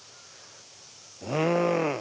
うん！